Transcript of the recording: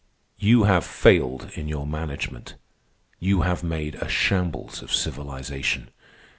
"You have failed in your management. You have made a shambles of civilization.